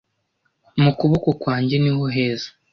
mu kuboko kwanjye niho heza